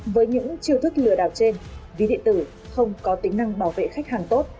với những chiêu thức lừa đảo trên ví điện tử không có tính năng bảo vệ khách hàng tốt